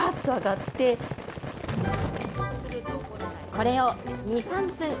これを２、３分。